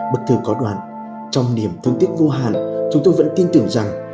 bức thư có đoạn trong niềm thương tiếc vô hạn chúng tôi vẫn tin tưởng rằng